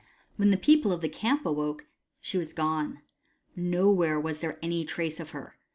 When the people of the camp awoke, she was gone. Nowhere was there any trace of her.